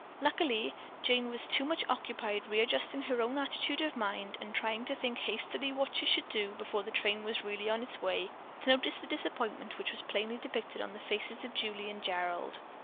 Luckily Jane was too much occupied readjusting her own attitude of mind, and trying to think hastily what she should do before the train was really on its way, to notice the disappointment which was plainly depicted on the faces of Julie and Gerald.